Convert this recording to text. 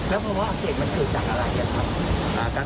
เพราะว่าอเศษมันเห้อจากอะไรยังครับ